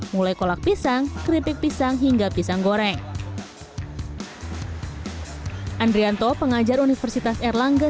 mulai kolak pisang keripik pisang hingga pisang goreng andrianto pengajar universitas erlangga